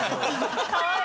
かわいい！